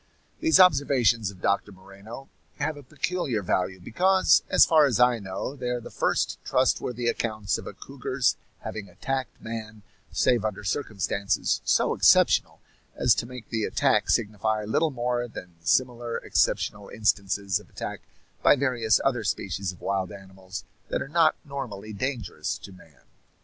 These observations of Doctor Moreno have a peculiar value, because, as far as I know, they are the first trustworthy accounts of a cougar's having attacked man save under circumstances so exceptional as to make the attack signify little more than the similar exceptional instances of attack by various other species of wild animals that are not normally dangerous to man.